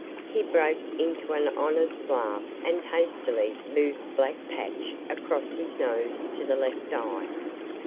He broke into an honest laugh and hastily moved the black patch across his nose to the left eye.